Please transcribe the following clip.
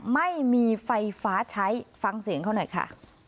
ไม่มีไฟฟ้าใช้ฟังเสียงเขาหน่อยค่ะ